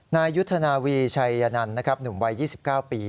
นายุธนาวีชัยยนันหนุ่มวัย๒๙ปี